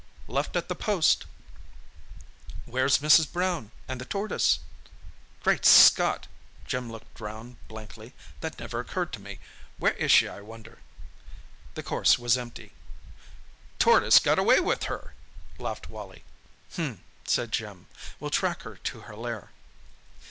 "Left at the post!" "Where's Mrs. Brown—and the tortoise?" "Great Scott!" Jim looked round blankly. "That never occurred to me. Where is she, I wonder?" The course was empty. "Tortoise got away with her!" laughed Wally. "H'm," said Jim. "We'll track her to her lair."